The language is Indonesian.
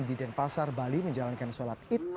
di denpasar bali menjalankan sholat id